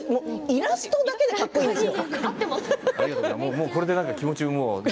イラストだけでかっこいいんです。